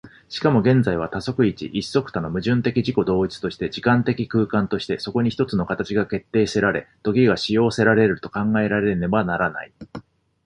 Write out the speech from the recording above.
しかも現在は多即一一即多の矛盾的自己同一として、時間的空間として、そこに一つの形が決定せられ、時が止揚せられると考えられねばならない。